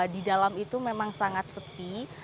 di dalam itu memang sangat sepi